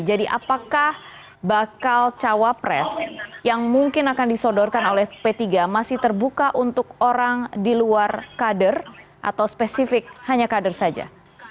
jadi apakah bakal cawa pres yang mungkin akan disodorkan oleh p tiga masih terbuka untuk orang di luar kader atau spesifik hanya kader saja